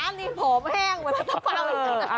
หมานี่ผอมแห้งเหมือนทักเมื่อเราอยู่กัน